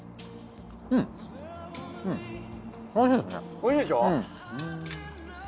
おいしいでしょ！？